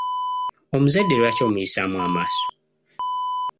Omuzadde lwaki omuyisaamu amaaso?